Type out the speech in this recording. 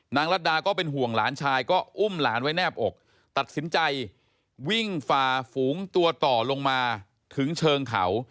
รัฐดาก็เป็นห่วงหลานชายก็อุ้มหลานไว้แนบอกตัดสินใจวิ่งฝ่าฝูงตัวต่อลงมาถึงเชิงเขา